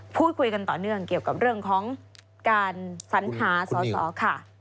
พูดคุยกันต่อเนื่องเกี่ยวกับเรื่องของการสัญหาสอสอค่ะ